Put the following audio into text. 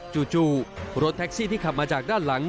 จู่รถแท็กซี่ที่ขับมาจากด้านหลัง